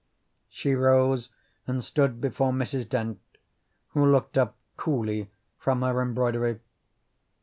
She rose and stood before Mrs. Dent, who looked up coolly from her embroidery.